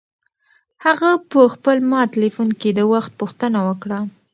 هغه په خپل مات تلیفون کې د وخت پوښتنه وکړه.